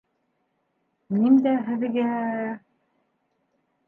Мин дә һеҙгә...